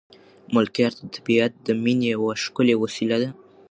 ملکیار ته طبیعت د مینې یوه ښکلې وسیله ده.